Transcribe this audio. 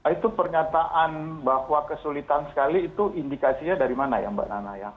itu pernyataan bahwa kesulitan sekali itu indikasinya dari mana ya mbak nana ya